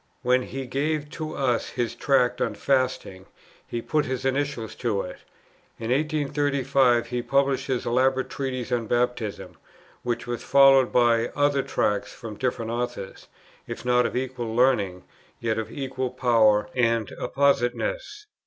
When he gave to us his Tract on Fasting, he put his initials to it. In 1835 he published his elaborate Treatise on Baptism, which was followed by other Tracts from different authors, if not of equal learning, yet of equal power and appositeness.